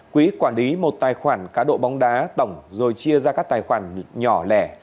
quỹ quản lý một tài khoản cá độ bóng đá tổng rồi chia ra các tài khoản nhỏ lẻ